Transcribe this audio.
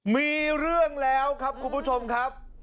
มีเรื่องแล้วครับคุณผู้ชมครับ